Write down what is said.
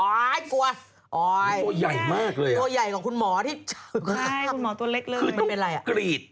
โอ๊ยตัวใหญ่มากเลยอะใช่ค่ะคุณหมอตัวเล็กเลยมันเป็นอะไรคือต้องกรีด